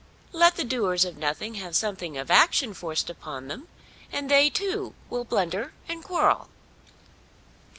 Let the doers of nothing have something of action forced upon them, and they, too, will blunder and quarrel.